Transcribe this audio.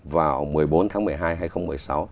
vào một mươi bốn tháng một mươi hai hai nghìn một mươi sáu